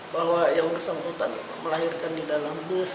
bahwa yang bersangkutan melahirkan di dalam bus